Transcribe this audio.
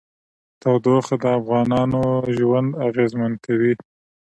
تودوخه د افغانانو ژوند اغېزمن کوي.